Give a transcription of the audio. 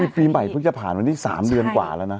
ปีใหม่เพิ่งจะผ่านวันที่๓เดือนกว่าแล้วนะ